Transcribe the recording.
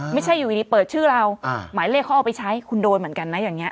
ไม่ใช่อยู่ดีเปิดชื่อเราหมายเลขเขาเอาไปใช้คุณโดนเหมือนกันนะอย่างนี้